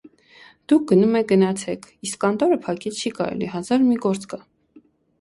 - Դուք գնում եք` գնացեք, իսկ կանտորը փակել չի կարելի, հազար ու մի գործ կա: